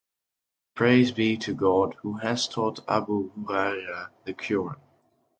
Praise be to God Who has taught Abu Hurairah the Quran.